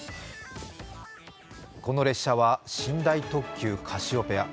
この列車は寝台特急カシオペア。